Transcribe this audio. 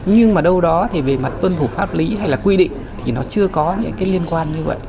nhưng mà đâu đó thì về mặt tuân thủ pháp lý hay là quy định thì nó chưa có những cái liên quan như vậy